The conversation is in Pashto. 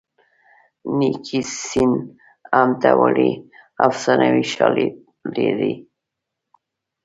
نیکي سین هم نه وړي افسانوي شالید لري